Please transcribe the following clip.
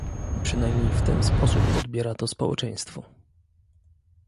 Przynajmniej w ten sposób odbiera to społeczeństwo